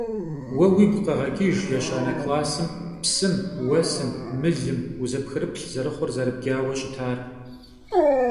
Vue vuigu kheğeç'ıjj yêşane klassım psım, vuesım, mılım vuzepxrıplh zerıxhur zerıbcaue şıtar.